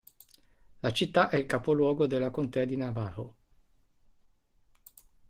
La città è il capoluogo della contea di Navajo.